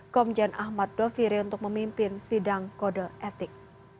komjen ahmad doviri untuk memimpin sidang kode etik